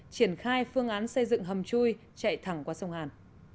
triển khai phương án xây dựng hầm chui chạy thẳng qua sông hàn